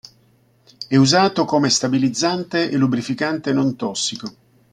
È usato come stabilizzante e lubrificante non tossico.